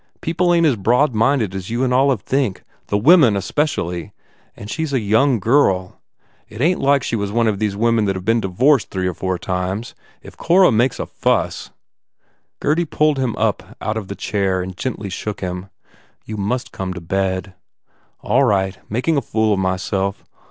People ain t as broad minded as you and Olive think. The women, especially. And she s a young girl. ... It ain t like she was one of these women that ve been divorced three or four times. ... If Cora makes a fuss Gurdy pulled him up out of the chair and gently shook him. "You must come to bed." "All right. Making a fool of myself.